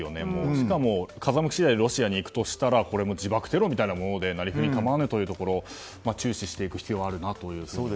しかも風向き次第でロシアに行くとしたら自爆テロみたいなものでなりふり構わないということで注視していく必要があるなと。